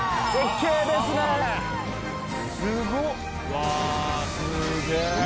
すごっ！